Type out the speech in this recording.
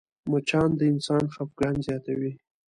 مچان د انسان خفګان زیاتوي